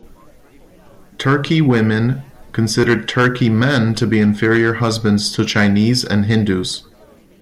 Turki women considered Turki men to be inferior husbands to Chinese and Hindus.